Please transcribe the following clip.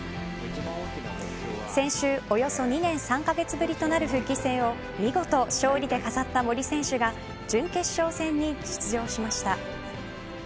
先週、およそ２年３カ月ぶりとなる復帰戦を見事、勝利で飾った森選手が準決勝戦に出場しました。